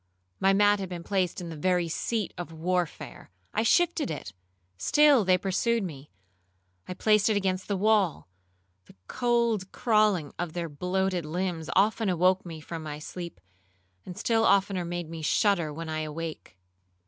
My mat had been placed in the very seat of warfare;—I shifted it,—still they pursued me;—I placed it against the wall,—the cold crawling of their bloated limbs often awoke me from my sleep, and still oftener made me shudder when awake.